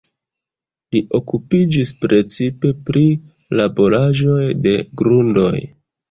Li okupiĝis precipe pri laboraĵoj de grundoj.